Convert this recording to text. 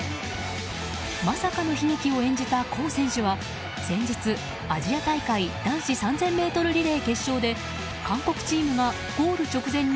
まさかの悲劇を演じたコウ選手は先日、アジア大会男子３０００ｍリレー決勝で韓国チームがゴール直前に